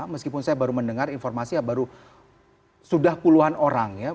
meskipun saya baru mendengar informasi ya baru sudah puluhan orang ya